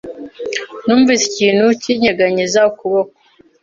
Numvise ikintu kinyeganyeza ukuboko.